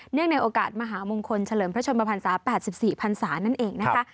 เนื่องในโอกาสมหาวงคลเฉลิมพระชนมภัณฑ์ศาสตร์๘๔ภัณฑ์ศานั่นเองนะคะ